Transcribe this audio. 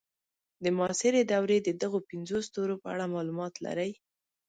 د معاصرې دورې د دغو پنځو ستورو په اړه معلومات لرئ.